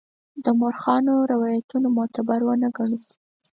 د مورخانو روایتونه معتبر ونه ګڼو.